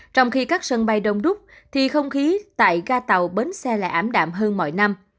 trong khi các sân bay đông đúc thì không khí tại ga tàu bến xe lại ảm đạm hơn mọi năm